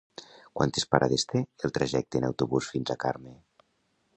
Quantes parades té el trajecte en autobús fins a Carme?